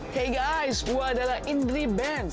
key guys gue adalah indri benz